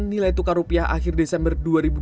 nilai tukar rupiah akhir desember dua ribu dua puluh